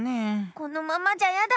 このままじゃヤダ！